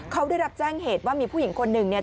เขาได้รับแจ้งเหตุว่ามีผู้หญิงคนหนึ่งเนี่ย